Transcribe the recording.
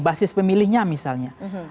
basis pemilihnya misalnya